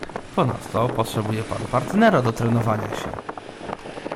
"Ponadto potrzebuje pan partnera do trenowania się."